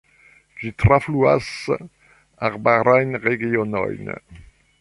Ĝi trafluas arbarajn regionojn.